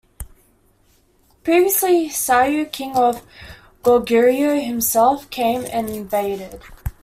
Previously, Sayu, king of Goguryeo, himself came and invaded.